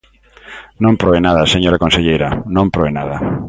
Non proe nada, señora conselleira, non proe nada.